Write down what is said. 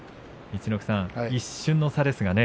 陸奥さん、一瞬の差ですね。